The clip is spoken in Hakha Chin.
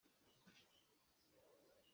Phar in inn sak khawh a si.